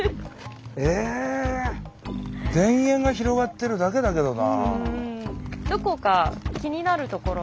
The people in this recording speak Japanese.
田園が広がってるだけだけどな。